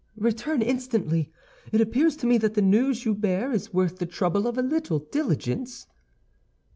"Return instantly. It appears to me that the news you bear is worth the trouble of a little diligence."